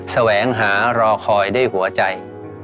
แสวงหารอคอยด้วยหัวใจ